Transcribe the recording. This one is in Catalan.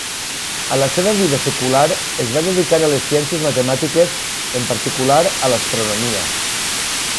A la seva vida secular, es va dedicar a les ciències matemàtiques, en particular a l'astronomia.